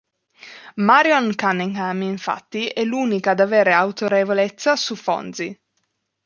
Marion Cunningham infatti, è l'unica ad avere autorevolezza su Fonzie.